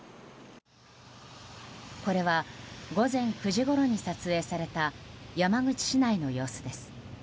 これは午前９時ごろに撮影された山口市内の様子です。